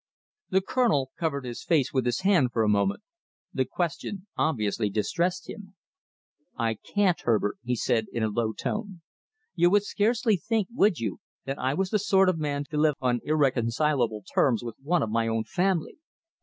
The Colonel covered his face with his hand for a moment. The question obviously distressed him. "I can't, Herbert," he said, in a low tone. "You would scarcely think, would you, that I was the sort of man to live on irreconcilable terms with one of my own family?